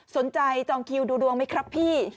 จองคิวดูดวงไหมครับพี่